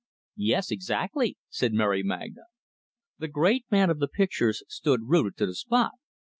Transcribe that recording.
"Yes, exactly," said Mary Magna. The great man of the pictures stood rooted to the spot.